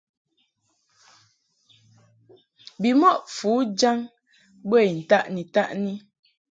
Bimɔʼ fujaŋ bə I ntaʼni-taʼni.